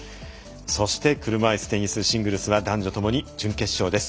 そして車いすテニスシングルスは男女ともに準決勝です。